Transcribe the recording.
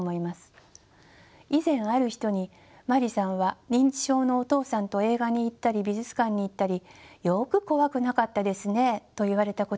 以前ある人に「まりさんは認知症のお父さんと映画に行ったり美術館に行ったりよく怖くなかったですね」と言われたことがあります。